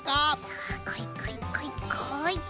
さあこいこいこいこい。